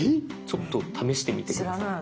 ちょっと試してみて下さい。